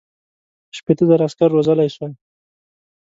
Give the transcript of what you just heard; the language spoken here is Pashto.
شپېته زره عسکر روزلای سوای.